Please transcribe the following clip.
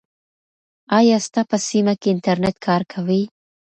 آیا ستا په سیمه کې انټرنیټ کار کوي؟